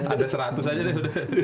ada seratus aja deh